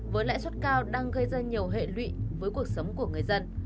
với lãi suất cao đang gây ra nhiều hệ lụy với cuộc sống của người dân